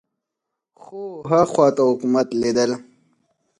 خو ها خوا ته حکومت لیدل